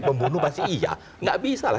pembunuh pasti iya nggak bisa lah